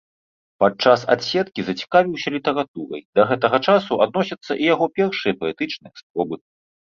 Падчас адседкі зацікавіўся літаратурай, да гэтага часу адносяцца і яго першыя паэтычныя спробы.